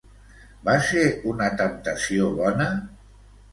Va ser una temptació bona?